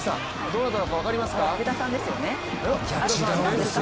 どなたか分かりますか？